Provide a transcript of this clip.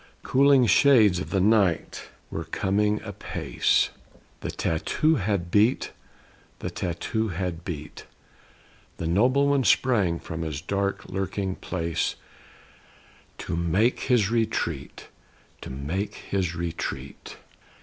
Cooling shades of the night were coming apace, The tattoo had beat; the tattoo had beat. The noble one sprang from his dark lurking place, To make his retreat; to make his retreat.